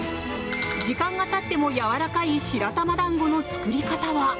時間がたってもやわらかい白玉団子の作り方は？